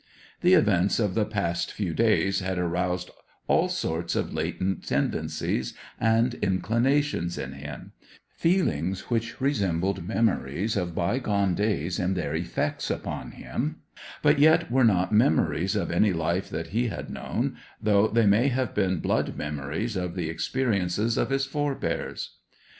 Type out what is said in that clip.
The events of the past few days had aroused all sorts of latent tendencies and inclinations in him; feelings which resembled memories of bygone days in their effects upon him, but yet were not memories of any life that he had known, though they may have been blood memories of the experiences of his forbears.